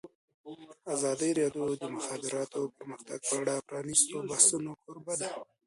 ازادي راډیو د د مخابراتو پرمختګ په اړه د پرانیستو بحثونو کوربه وه.